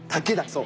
そう。